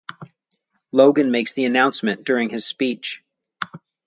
Logan makes the announcement during his speech.